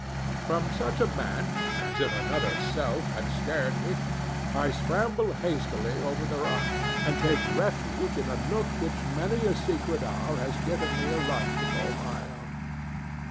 From such a man as if another self had scared me I scramble hastily over the rocks, and take refuge in a nook which many a secret hour has given me a right to call my own.